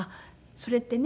それってね。